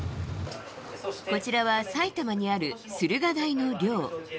こちらは埼玉にある駿河台の寮。